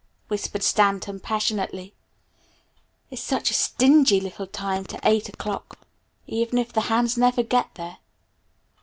whispered Stanton passionately, "it's such a stingy little time to eight o'clock even if the hands never get there!"